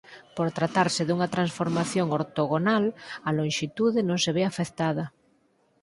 Por tratarse dunha transformación ortogonal a lonxitude non se ve afectada.